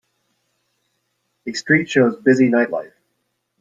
A street shows busy night life.